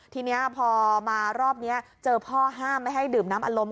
ทีนี้พอมารอบนี้เจอพ่อห้ามไม่ให้ดื่มน้ำอารมณ์